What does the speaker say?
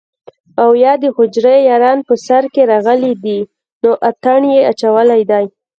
او يا دحجرې ياران په سر کښې راغلي دي نو اتڼ يې اچولے دے